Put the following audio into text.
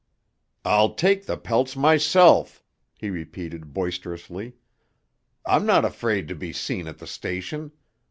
"I'll take the pelts myself," he repeated boisterously. "I'm not afraid to be seen at the station.